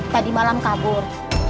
tadi malam kabur